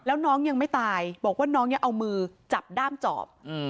แล้วน้องยังไม่ตายบอกว่าน้องยังเอามือจับด้ามจอบ